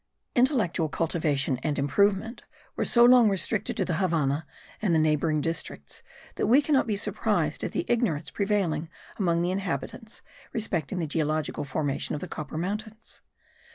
Intellectual cultivation and improvement were so long restricted to the Havannah and the neighbouring districts, that we cannot be surprised at the ignorance prevailing among the inhabitants respecting the geologic formation of the Copper Mountains.